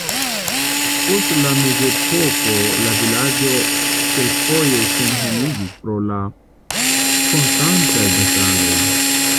Post la mezepoko la vilaĝo kelkfoje senhomiĝis pro la konstantaj bataloj.